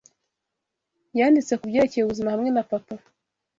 yanditse kubyerekeye ubuzima hamwe na Papa